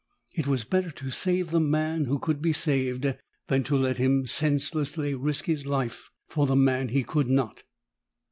It was better to save the man who could be saved than to let him senselessly risk his life for the man who could not.